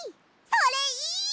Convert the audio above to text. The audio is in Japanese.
それいい！